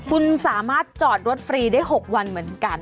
คุณสามารถจอดรถฟรีได้๖วันเหมือนกัน